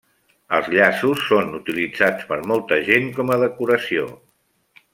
Els llaços són utilitzats per molta gent com a decoració.